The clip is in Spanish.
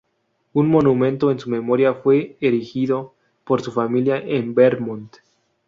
Un monumento en su memoria fue erigido por su familia en Vermont.